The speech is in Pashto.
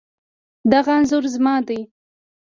دغه انځور زما دی